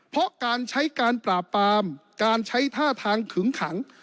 เพราะการใช้การปราบปามการใช้ท่าทางขึงขัง